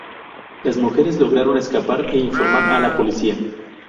Las mujeres lograron escapar e informar a la policía.